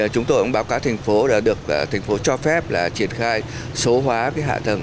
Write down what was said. chúng tôi cũng báo cáo thành phố đã được thành phố cho phép là triển khai số hóa hạ tầng